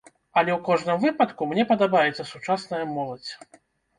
Але ў кожным выпадку, мне падабаецца сучасная моладзь.